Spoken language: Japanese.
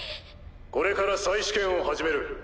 これから再試験を始める。